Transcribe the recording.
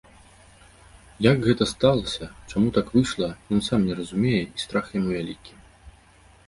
Як гэта сталася, чаму так выйшла, ён сам не разумее, і страх яму вялікі.